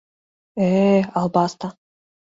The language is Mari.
Э-э, албаста!